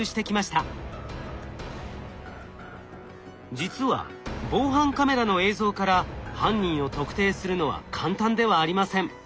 実は防犯カメラの映像から犯人を特定するのは簡単ではありません。